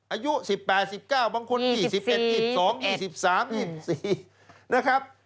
อายุ๑๘๑๙บางคน๒๑๒๒๒๓๒๔นะครับ